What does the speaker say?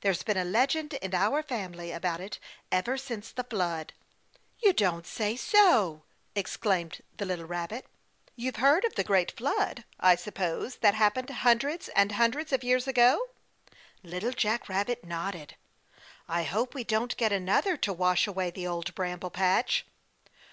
"There's been a legend in our family about it ever since the Flood." "You don't say so," exclaimed the little rabbit. "You've heard of the Great Flood, I suppose, that happened hundreds and hundreds of years ago?" Little Jack Rabbit nodded. "I hope we don't get another to wash away the Old Bramble Patch."